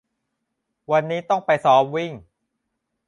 วันนี้ต้องไปซ้อมวิ่ง